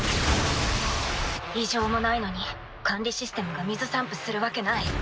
異常もないのに管理システムが水散布するわけない。